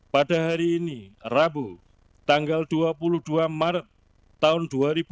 pada hari ini rabu tanggal dua puluh dua maret tahun dua ribu dua puluh